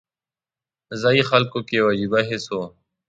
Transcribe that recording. ځایي خلکو کې یو عجیبه حس و.